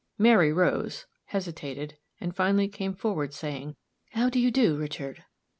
Mary rose, hesitated, and finally came forward, saying, "How do you do, Richard?"